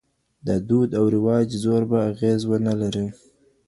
د دود او رواج زور به اغېز ونه لري.